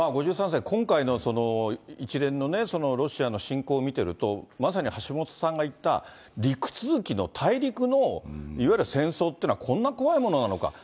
５３世、今回の一連のロシアの侵攻を見てると、まさに橋下さんが言った、陸続きの大陸のいわゆる戦争っていうのは、こんな怖いものなのか。